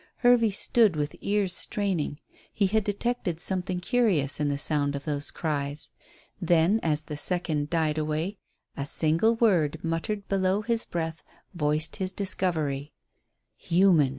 Hervey stood with ears straining. He had detected something curious in the sound of those cries. Then as the second died away a single word muttered below his breath voiced his discovery. "Human!"